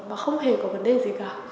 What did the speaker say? mà không hề có vấn đề gì cả